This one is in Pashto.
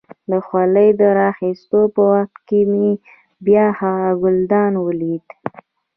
د خولۍ د را اخيستو په وخت کې مې بیا هغه ګلدان ولید.